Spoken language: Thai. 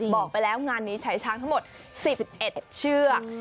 บอกไปแล้วงานนี้ใช้ช้างทั้งหมด๑๑เชือก